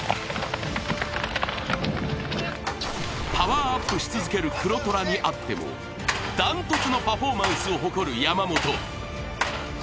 パワーアップし続ける黒虎にあっても断トツのパフォーマンスを誇る山本。